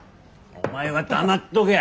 お前は黙っとけ。